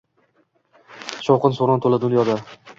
Shovqin-suron to‘la dunyoda